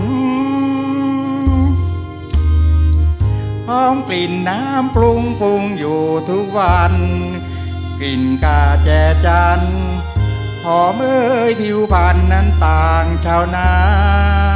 คล้องกลิ่นน้ำปรุงฟงอยู่ทุกวันกลิ่นกาแจจันหอมเห้ยผิวพรรณนั้นต่างชาวนา